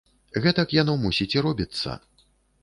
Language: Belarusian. Гэтак яно, мусіць, і робіцца.